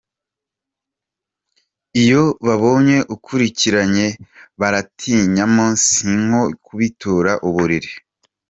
iyo babonye ukurikiranye baratinyamo sinko kubitura uburiri.